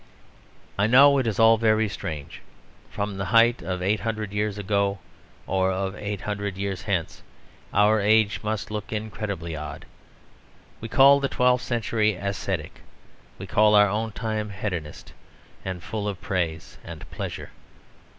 I know it is all very strange. From the height of eight hundred years ago, or of eight hundred years hence, our age must look incredibly odd. We call the twelfth century ascetic. We call our own time hedonist and full of praise and pleasure.